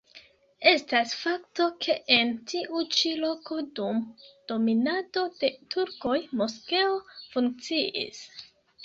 Estas fakto, ke en tiu ĉi loko dum dominado de turkoj moskeo funkciis.